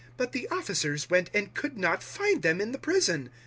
005:022 But the officers went and could not find them in the prison.